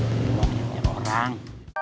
bisa kejar orang